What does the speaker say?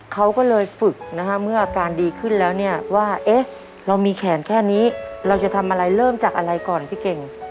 เขาก็เลยฝึกนะฮะเมื่ออาการดีขึ้นแล้วเนี่ยว่าเอ๊ะเรามีแขนแค่นี้เราจะทำอะไรเริ่มจากอะไรก่อนพี่เก่ง